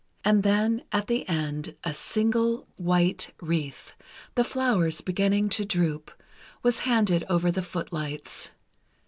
And then, at the end, a single white wreath, the flowers beginning to droop, was handed over the footlights.